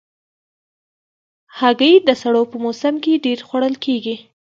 هګۍ د سړو په موسم کې ډېر خوړل کېږي.